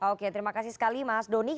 oke terima kasih sekali mas doni